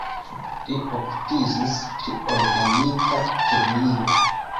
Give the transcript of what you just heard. Li okupiĝis pri organika kemio.